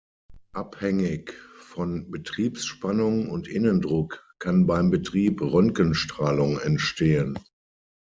Abhängig von Betriebsspannung und Innendruck kann beim Betrieb Röntgenstrahlung entstehen.